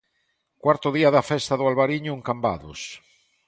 Cuarto día da Festa do Albariño en Cambados.